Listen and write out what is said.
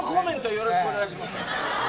よろしくお願いします。